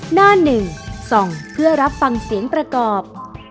หน้า๑๒เพื่อรับฟังเสียงประกอบ